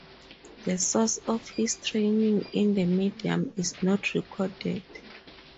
The source of his training in the medium is not recorded.